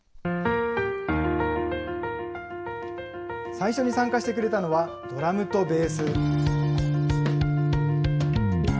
最初に参加してくれたのは、ドラムとベース。